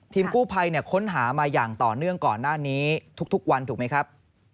กู้ภัยค้นหามาอย่างต่อเนื่องก่อนหน้านี้ทุกวันถูกไหมครับ